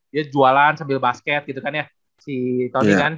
dia jualan sambil basket gitu kan ya si tony kan